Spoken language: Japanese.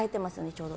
ちょうど。